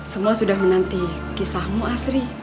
semua sudah menanti kisahmu asri